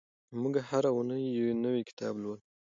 موږ هره اونۍ یو نوی کتاب لولو.